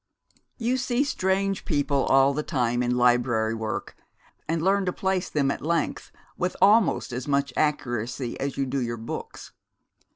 You see strange people all the time in library work, and learn to place them, at length, with almost as much accuracy as you do your books.